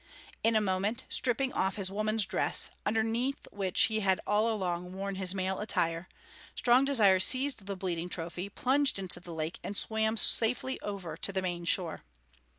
In a moment, stripping off his woman's dress, underneath which he had all along worn his male attire, Strong Desire seized the bleeding trophy, plunged into the lake, and swam safely over to the main shore.